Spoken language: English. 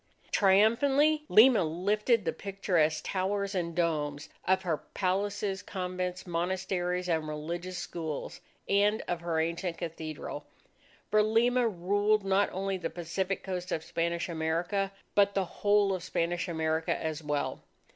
Triumphantly, Lima lifted the picturesque towers and domes of her palaces, convents, monasteries, and religious schools, and of her ancient cathedral, for Lima ruled not only the Pacific coast of Spanish America, but the whole of Spanish America as well.